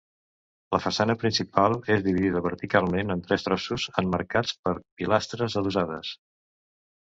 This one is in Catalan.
La façana principal és dividida verticalment en tres tossos, emmarcats per pilastres adossades.